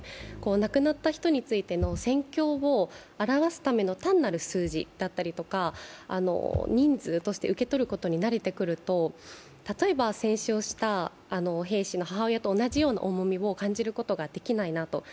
亡くなった人についての戦況を表すための単なる数字だったりとか、人数として受け取ることに慣れてくると例えば戦死をした兵士の母親と同じような重みを感じることができないなと。